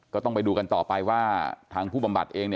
ก็ต้องไปดูกันต่อไปว่าทางผู้บำบัดเอง